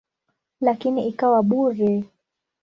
Lakini ikawa bure.